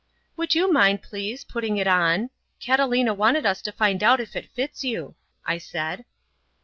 "Would you mind, please, putting it on? Catalina wanted us to find out if it fits you," I said.